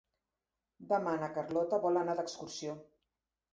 Demà na Carlota vol anar d'excursió.